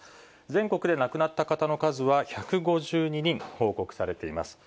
全国で亡くなった方の数は１５２人、報告されています。